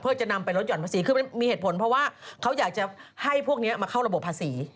เพื่อจะนำไปลดห่อนภาษีคือมันมีเหตุผลเพราะว่าเขาอยากจะให้พวกนี้มาเข้าระบบภาษี